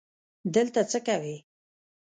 دلته څه کوې؟